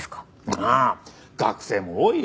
ああ学生も多いよ。